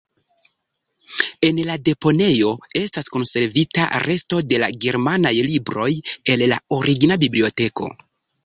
En la deponejo estas konservita resto de la germanaj libroj el la origina biblioteko.